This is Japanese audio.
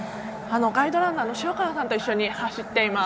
ガイドランナーの塩川さんと一緒に走っています。